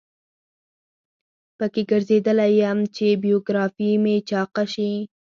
په کې ګرځیدلی یم چې بیوګرافي مې چاقه شي.